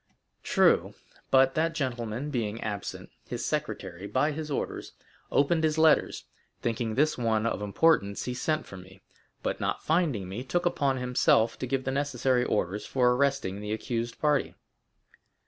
0093m "True; but that gentleman being absent, his secretary, by his orders, opened his letters; thinking this one of importance, he sent for me, but not finding me, took upon himself to give the necessary orders for arresting the accused party."